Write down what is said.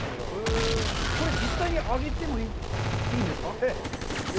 これ、実際に上げてもいいんですか？